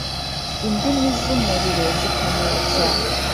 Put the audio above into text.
indimi z’umuriro zikamwotsa,